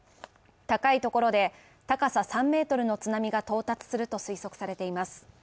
高いところで高さ３ｍの津波が到達すると推測されています。